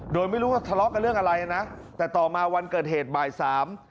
โดยไม่รู้ว่าทะเลาะกับเรื่องอะไรนะแต่ต่อมาวันเกิดเหตุบ่ายสาม